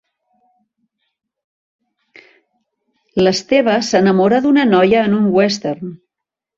L'Esteve s'enamora d'una noia en un Western.